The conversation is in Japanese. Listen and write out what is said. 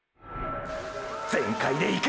全開でいく！！